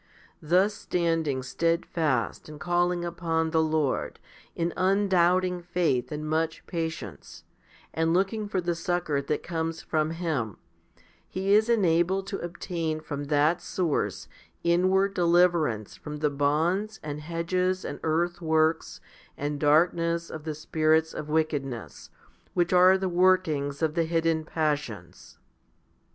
Thus standing steadfast and calling upon the Lord in undoubting faith and much patience, and looking for the succour that comes from Him, he is enabled to obtain from that source inward deliverance from the bonds and hedges and earthworks and darkness of the spirits of wickedness, which are the workings of the hidden passions.